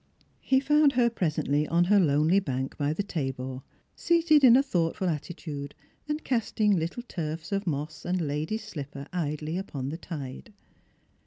He found her presently on Her lonely bank by the Tabor, seated in a thoughtful attitude, and casting little turfs of mosa and lady's slipper idly upon the tide.